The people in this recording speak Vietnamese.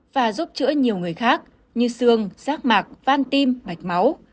và giúp chữa nhiều người khác như xương rác mạc van tim mạch máu